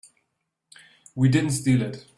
We didn't steal it.